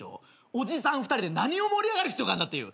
おじさん２人で何を盛り上がる必要があるんだっていう。